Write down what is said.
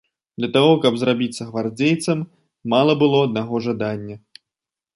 Для таго, каб зрабіцца гвардзейцам, мала было аднаго жадання.